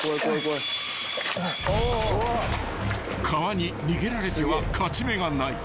［川に逃げられては勝ち目がない］